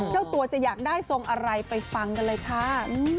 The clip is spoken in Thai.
เจ้าตัวจะอยากได้ทรงอะไรไปฟังกันเลยค่ะ